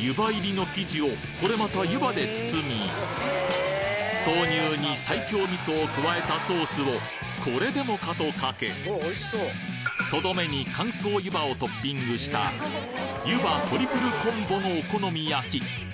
湯葉入りの生地をこれまた湯葉で包み豆乳に西京味噌を加えたソースをこれでもかとかけとどめに乾燥湯葉をトッピングした湯葉トリプルコンボのお好み焼き